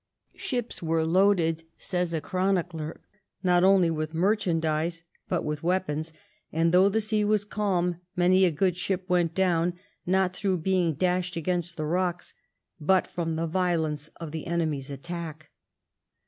Ships were loaded, says a chronicler, not only with merchandise, but with weapons ; and though the sea was calm, many a good ship went down, not through being dashed against the rocks, but from the violence of the enemy's attack.